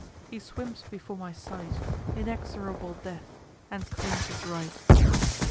he swims before my sight, Inexorable Death; and claims his right.